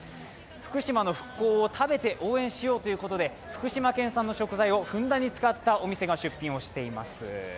福島の復興を食べて応援しようということで福島県産の食材をふんだんに使ったお店が出品をしています。